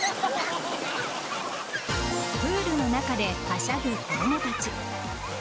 プールの中ではしゃぐ子供たち。